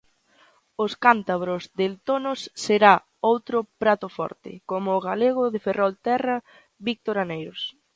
Os cántabros DelTonos será outro prato forte, como o galego, de Ferrolterra, Víctor Aneiros.